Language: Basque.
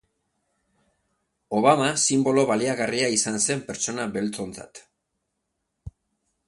Obama sinbolo baliagarria izan zen pertsona beltzontzat.